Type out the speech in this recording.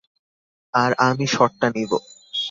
আর আমি শটটা নিবো।